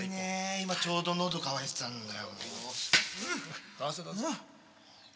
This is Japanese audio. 今ちょうどのど渇いてたんだよ。